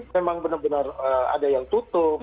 memang benar benar ada yang tutup